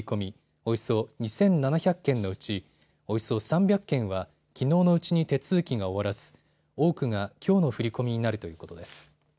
およそ２７００件のうちおよそ３００件はきのうのうちに手続きが終わらず多くがきょうの振り込みになるということです。